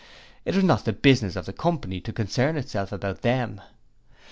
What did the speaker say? It was not the business of the Company to concern itself about them.